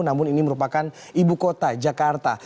namun ini merupakan ibu kota jakarta